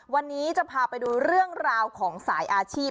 วันนี้จะพาไปดูเรื่องราวของสายอาชีพ